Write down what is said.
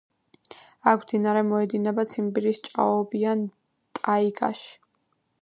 აქ მდინარე მოედინება ციმბირის ჭაობიან ტაიგაში.